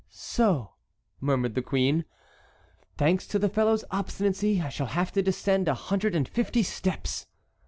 "So," murmured the queen, "thanks to the fellow's obstinacy I shall have to descend a hundred and fifty steps."